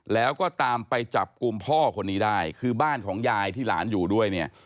แล้วก็ตามไปจับกลุ่มพ่อคนนี้ได้คือบ้านของยายที่หลานอยู่ด้วยเนี่ย